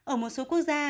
ở một số quốc gia